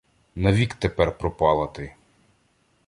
Навік тепер пропала ти!